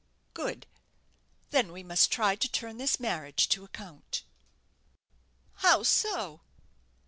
"Good; then we must try to turn this marriage to account." "How so?"